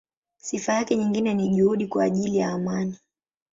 Sifa yake nyingine ni juhudi kwa ajili ya amani.